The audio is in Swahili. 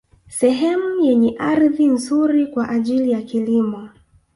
Sehemu yenye ardhi nzuri kwa ajili ya kilimo